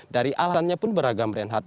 dari alatnya pun beragam reinhardt